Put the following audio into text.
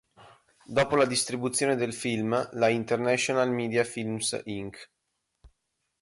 Dopo la distribuzione del film, la International Media films Inc.